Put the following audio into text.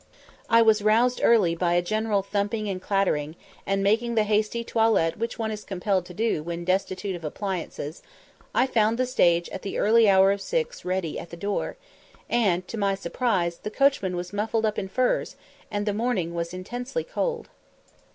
I was roused early by a general thumping and clattering, and, making the hasty toilette which one is compelled to do when destitute of appliances, I found the stage at the early hour of six ready at the door; and, to my surprise, the coachman was muffled up in furs, and the morning was intensely cold.